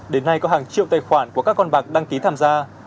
đến nay có hàng triệu tài khoản của các con bạc đăng ký tham gia